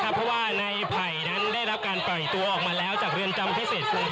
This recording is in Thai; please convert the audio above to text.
เพราะว่าในภายนั้นได้รับการปล่อยตัวออกมาแล้วจากเรือนจำที่เสร็จแล้วนะครับ